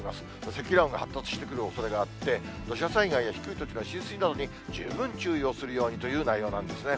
積乱雲が発達してくるおそれがあって、土砂災害や低い土地の浸水などに、十分注意をするようにという内容なんですね。